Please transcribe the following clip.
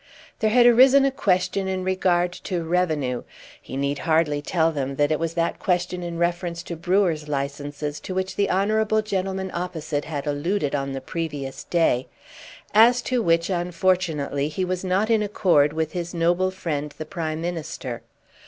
There had arisen a question in regard to revenue, he need hardly tell them that it was that question in reference to brewers' licences to which the honourable gentleman opposite had alluded on the previous day, as to which unfortunately he was not in accord with his noble friend the Prime Minister.